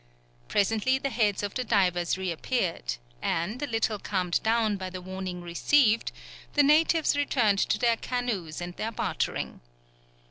Presently the heads of the divers reappeared, and, a little calmed down by the warning received, the natives returned to their canoes and their bartering.